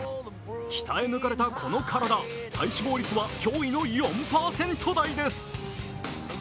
鍛え抜かれたこの体、体脂肪率は胸囲の４％台です。